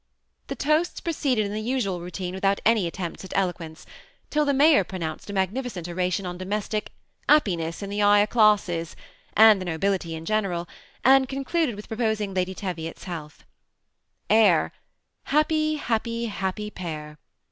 The toasts proceeded in the usual routiixe without any attempts at eloquence, till the mayor pronounced a magnificent oration on domestic ^ 'appiness in the 'igher classes" and the nobility in general, and concluded with proposing Lady Teviot's health. Air —" Happy, hap py, happy pair."